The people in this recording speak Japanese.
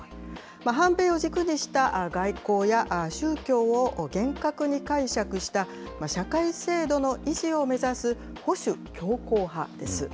反米を軸にした外交や宗教を厳格に解釈した社会制度の維持を目指す保守強硬派です。